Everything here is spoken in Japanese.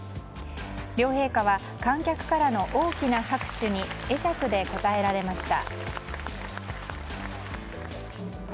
両陛下は観客からの大きな拍手に会釈で応えられました。